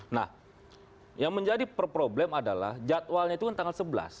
nah yang menjadi problem adalah jadwalnya itu kan tanggal sebelas